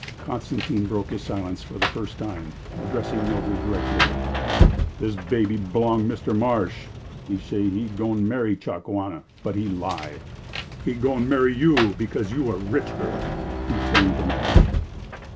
Constantine broke his silence for the first time, addressing Mildred directly. "This baby b'long Mr. Marsh. He say he goin' marry Chakawana, but he lie; he goin' marry you because you are rich girl." He turned to Marsh.